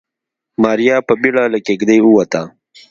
ماريا په بيړه له کېږدۍ ووته.